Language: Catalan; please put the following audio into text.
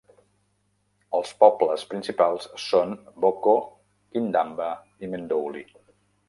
Els pobles principals són Boko, Kindamba i Mendouli.